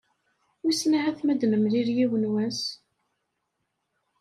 Wissen ahat m'ad d-nemlil yiwen wass?